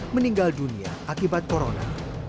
meninggal dunia akibat corona